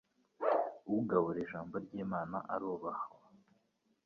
ugabura ijambo ry'imana arubahwa